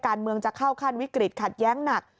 การเมืองจะเข้าขั้นวิกฤตขัดแย้งหนัก